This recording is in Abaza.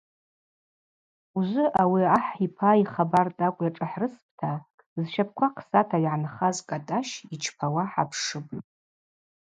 Ужвы ауи ахӏ йпа йхабар тӏакӏв йашӏахӏрыспӏта зщапӏква хъсата йгӏанхаз Кӏатӏащ йчпауа хӏапшыпӏ.